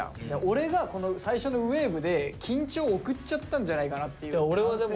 オレがこの最初のウェーブで緊張を送っちゃったんじゃないかなっていう反省もあって。